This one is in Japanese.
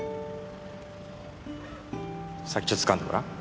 先っちょ掴んでごらん。